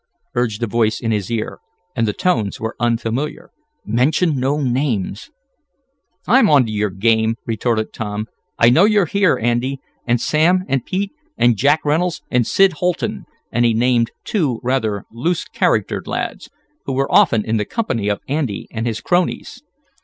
urged a voice in his ear, and the tones were unfamiliar. "Mention no names!" "I'm on to your game!" retorted Tom. "I know you're here, Andy, and Sam and Pete; and Jack Reynolds and Sid Holton," and he named two rather loose charactered lads, who were often in the company of Andy and his cronies.